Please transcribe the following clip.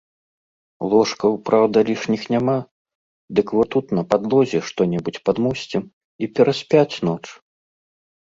Ложкаў, праўда, лішніх няма, дык во тут на падлозе што-небудзь падмосцім, і пераспяць ноч.